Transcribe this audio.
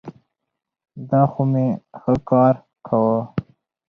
دا خو مي ښه کار کاوه.